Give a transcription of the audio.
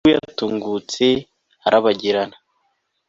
dore nguyu atungutse arabagirana